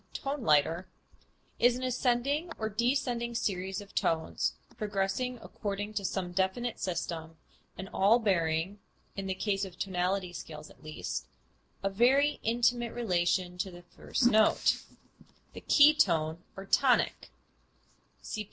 Ton leiter) is an ascending or descending series of tones, progressing according to some definite system, and all bearing (in the case of tonality scales at least) a very intimate relation to the first tone the key tone or tonic. (See p.